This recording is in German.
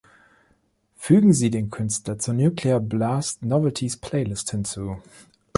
Fügen Sie den Künstler zur Nuclear Blast Novelties Playlist hinzu.